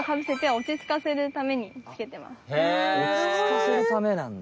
落ち着かせるためなんだ。